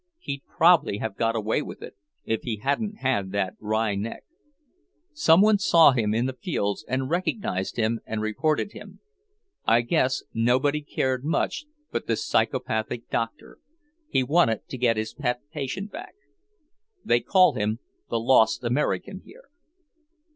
He'd probably have got away with it, if he hadn't had that wry neck. Some one saw him in the fields and recognized him and reported him. I guess nobody cared much but this psychopathic doctor; he wanted to get his pet patient back. They call him 'the lost American' here."